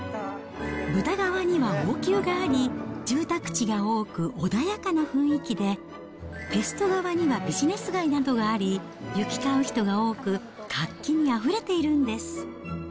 ブダ側には王宮があり、住宅地が多く穏やかな雰囲気で、ペスト側にはビジネス街などがあり、行き交う人が多く活気にあふれているんです。